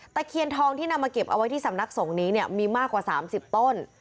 เคียนทองที่นำมาเก็บเอาไว้ที่สำนักสงฆ์นี้เนี่ยมีมากกว่า๓๐ต้น